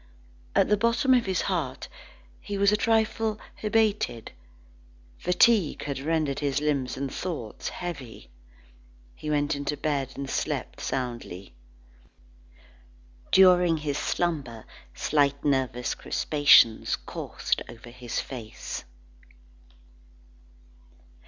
At the bottom of his heart, he was a trifle hebetated. Fatigue had rendered his limbs and thoughts heavy. He went in to bed and slept soundly. During his slumber slight nervous crispations coursed over his face.